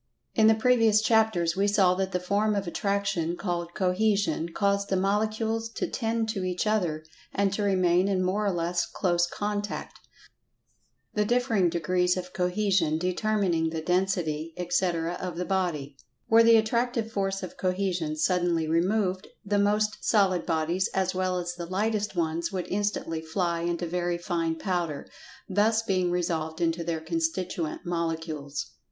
In the previous chapters we saw that the form of Attraction called "Cohesion" caused the molecules to tend to each other, and to remain in more or less close contact, the differing degrees of Cohesion determining the Density, etc., of the body. Were the Attractive force of Cohesion suddenly removed, the most solid bodies, as well as the lightest ones, would instantly fly into very fine powder, thus being resolved into their constituent molecules.